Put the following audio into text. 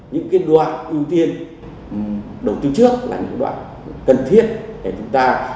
những cái đoạn ưu tiên đầu tư trước là những đoạn cần thiết để chúng ta có